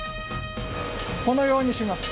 このようにします。